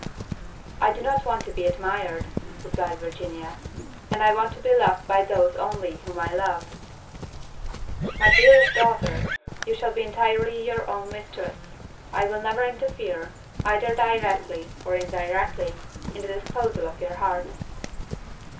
"I do not want to be admired," replied Virginia, "and I want to be loved by those only whom I love." "My dearest daughter, you shall be entirely your own mistress; I will never interfere, either directly or indirectly, in the disposal of your heart."